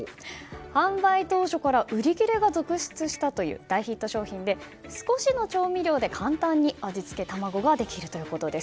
販売当初から売り切れが続出したという大ヒット商品で、少しの調味料で簡単に味付けたまごができるということです。